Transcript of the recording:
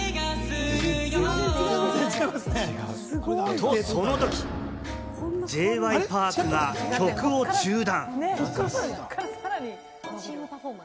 と、その時、Ｊ．Ｙ．Ｐａｒｋが曲を中断。